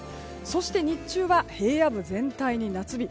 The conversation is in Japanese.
そして日中は平野部全体に夏日。